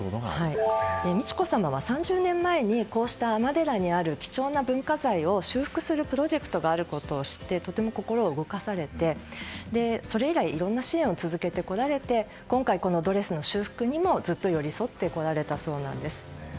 美智子さまは３０年前にこうした尼寺にある貴重な文化財を修復するプロジェクトを知ってとても心を動かされてそれ以来、いろんな支援を続けてこられて今回、このドレスの修復にもずっと寄り添ってこられたそうなんです。